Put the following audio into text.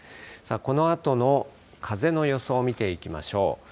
このあとの風の予想見ていきましょう。